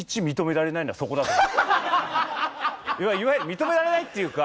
認められないっていうか。